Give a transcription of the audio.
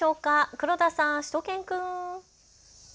黒田さん、しゅと犬くん。